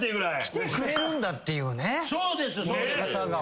来てくれるんだっていう方が。